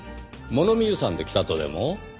物見遊山で来たとでも？